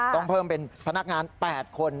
ต้องเพิ่มเป็นพนักงาน๘คน